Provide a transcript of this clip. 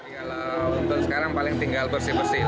kalau untuk sekarang paling tinggal bersih bersih